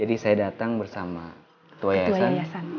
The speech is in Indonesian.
saya datang bersama ketua yayasan